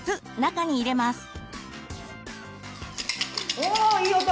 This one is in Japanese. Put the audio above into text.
おいい音！